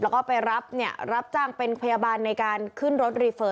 แล้วก็ไปรับเนี่ยรับจ้างเป็นพยาบาลในการขึ้นรถรีเฟอร์